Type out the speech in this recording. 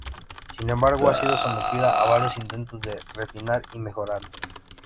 Sin embargo, ha sido sometida a varios intentos de refinar y mejorarla.